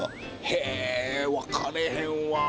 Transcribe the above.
へぇ分かれへんわ。